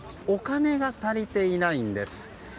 お金が足りていないんです。